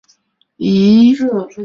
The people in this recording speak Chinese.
斯托克斯位移。